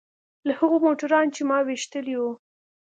له هغو موټرانو چې ما ويشتلي وو.